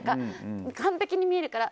完璧に見えるから。